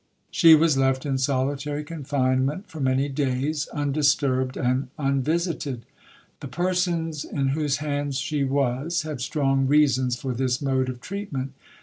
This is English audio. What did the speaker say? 'She was left in solitary confinement for many days, undisturbed and unvisited. The persons in whose hands she was had strong reasons for this mode of treatment.